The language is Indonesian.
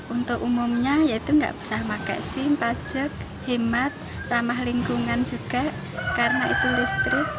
untuk umumnya ya itu enggak pesah makasih pajak hemat ramah lingkungan juga karena itu listrik